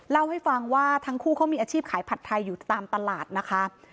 เล่าให้ฟังว่าทั้งคู่เขามีอาชีพขายผัดไทยอยู่ตามตลาดนะคะ